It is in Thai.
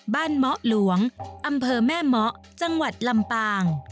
บ้านมหลวงอแม่หมจลำปาง